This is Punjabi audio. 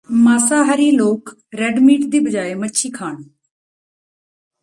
ਮਾਸਾਹਾਰੀ ਲੋਕ ਰੈ�ਡ ਮੀਟ ਦੀ ਬਜਾਏ ਮੱਛੀ ਖਾਣ